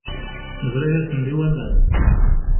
Nebra-yasen-d i waman.